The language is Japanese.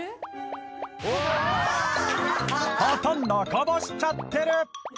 ほとんどこぼしちゃってる